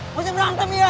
masya berantem ya